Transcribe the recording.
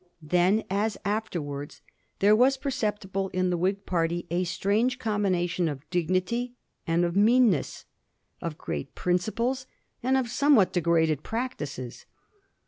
Then, as afterwards, there was perceptible in the Whig party a strange combina tion of dignity and of meanness, of great principles and of somewhat degraded practices.